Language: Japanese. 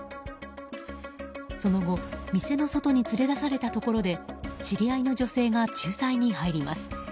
その後店の外に連れ出されたところで知り合いの女性が仲裁に入ります。